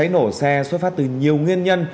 nổ xe xuất phát từ nhiều nguyên nhân